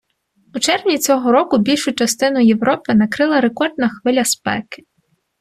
У червні цього року більшу частину Європи накрила рекордна хвиля спеки